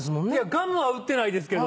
ガムは売ってないですけど。